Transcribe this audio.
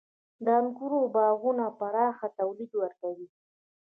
• د انګورو باغونه پراخ تولید ورکوي.